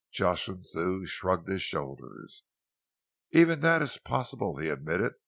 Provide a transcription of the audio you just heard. Jocelyn Thew shrugged his shoulders. "Even that is possible," he admitted.